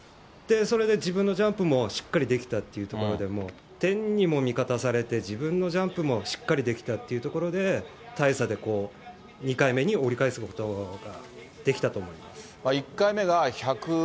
それで自分のジャンプもしっかりできたというところで、もう、天にも味方されて、自分のジャンプもしっかりできたというところで、大差で２回目に折り返すことができたと思います。